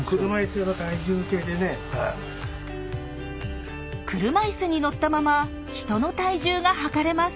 車いすに乗ったまま人の体重が量れます。